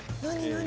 何？